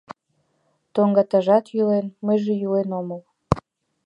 Тоҥгатажат йӱлен, мыйже йӱлен омыл